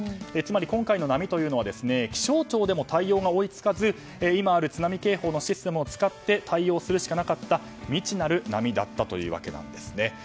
つまり今回の波というのは気象庁でも対応が追い付かず今ある津波警報のシステムを使って対応するしかなかった未知なる波だったということですね。